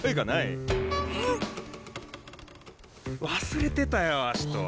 忘れてたよ葦人。